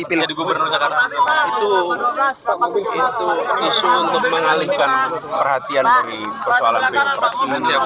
itu mungkin isu untuk mengalihkan perhatian dari persoalan demokrasi